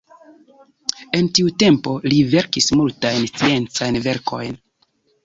En tiu tempo li verkis multajn sciencajn verkojn.